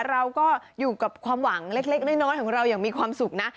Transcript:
เราก็อยู่กับความหวังเล็กน้อยของเราอย่างมีความสุขนะ